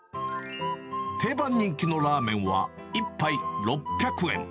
定番人気のラーメンは、１杯６００円。